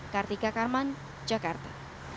kartika karman jakarta